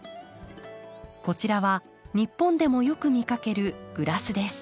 こちらは日本でもよく見かけるグラスです。